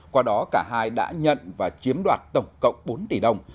qua đó cả hai đã nhận và chiếm đoạt tổng cộng bốn tỷ đồng